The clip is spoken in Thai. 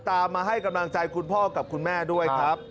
ตามมาให้กำลังใจคุณพ่อกับคุณแม่ด้วยครับ